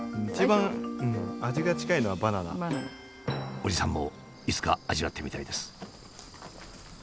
おじさんもいつか味わってみたいです。